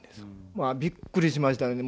まあびっくりしました。